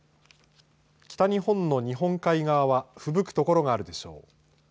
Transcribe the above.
北日本の日本海側はふぶく所があるでしょう。